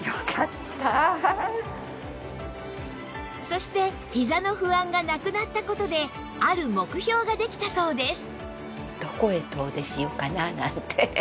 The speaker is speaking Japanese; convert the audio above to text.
そしてひざの不安がなくなった事である目標ができたそうです